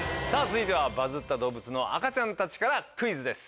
続いてはバズった動物の赤ちゃんたちからクイズ。